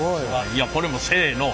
いやこれもうせの。